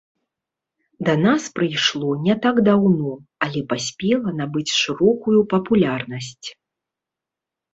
Да нас прыйшло не так даўно, але паспела набыць шырокую папулярнасць.